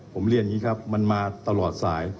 ผมเรียนอย่างนี้ครับมันมาตลอดสาย